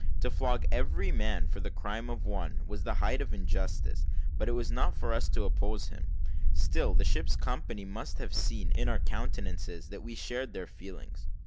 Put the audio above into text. To flog every man for the crime of one, was the height of injustice, but it was not for us to oppose him; still the ship's company must have seen, in our countenances, that we shared their feelings.